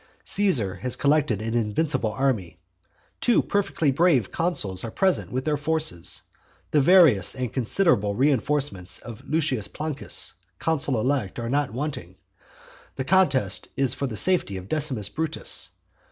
Caesar has collected an invincible army. Two perfectly brave consuls are present with their forces. The various and considerable reinforcements of Lucius Plancus, consul elect, are not wanting. The contest is for the safety of Decimus Brutus.